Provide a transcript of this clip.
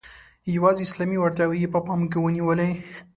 یوازي اسلامي وړتیاوې یې په پام کې ونیولې.